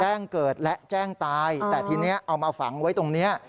แจ้งเกิดและแจ้งตายแต่ทีนี้เอามาฝังไว้ตรงนี้